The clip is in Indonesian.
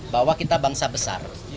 bahwa kita bangsa besar